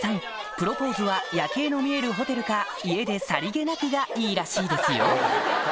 プロポーズは夜景の見えるホテルか家でさりげなくがいいらしいですよ